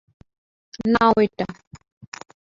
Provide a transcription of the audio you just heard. নাও এটা।